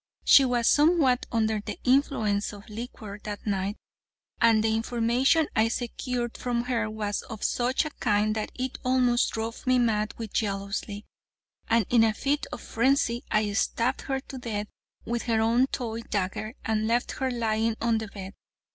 She was somewhat under the influence of liquor that night, and the information I secured from her was of such a kind that it almost drove me mad with jealousy, and in a fit of frenzy I stabbed her to death with her own toy dagger and left her lying on the bed.